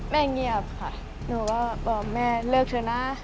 เงียบค่ะหนูก็บอกแม่เลิกเถอะนะ